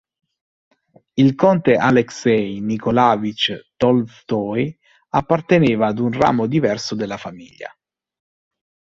Il conte Aleksej Nikolaevič Tolstoj apparteneva a un ramo diverso della famiglia.